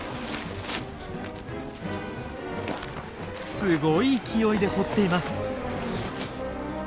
すごい勢いで掘っています。